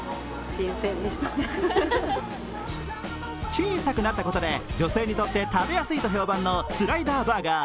小さくなったことで女性にとって食べやすいと評判のスライダーバーガー。